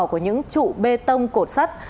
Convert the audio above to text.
của những trụ bê tông cột sắt